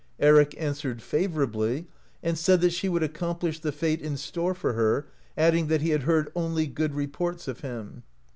Eric answered favourably, and said that she would accomplish the fate in store for her, adding that he had heard only good reports of him.